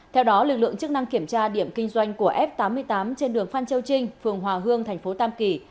theo đó lực lượng chức năng kiểm tra điểm kinh doanh của f tám mươi tám trên đường phan châu trinh phường hòa hương thành phố tam kỳ